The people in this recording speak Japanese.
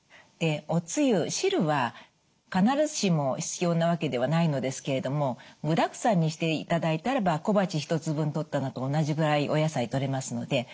でおつゆ汁は必ずしも必要なわけではないのですけれども具だくさんにしていただいたらば小鉢１つ分とったのと同じぐらいお野菜とれますので。